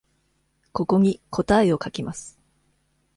ここに答えを書きます。